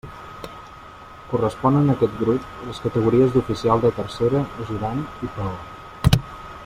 Corresponen a aquest grup les categories d'oficial de tercera, ajudant i peó.